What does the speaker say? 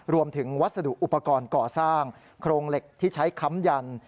วัสดุอุปกรณ์ก่อสร้างโครงเหล็กที่ใช้ค้ำยัน